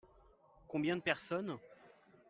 Combien de personnes ?